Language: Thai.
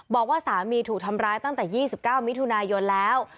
บอกว่าสามีถูกทำร้ายตั้งแต่๒๙มิถุนายนแล้ว